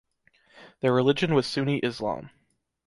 Their religion was Sunni Islam.